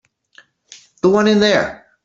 The one in there.